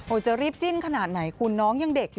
จะรีบจิ้นขนาดไหนคุณน้องยังเด็กอยู่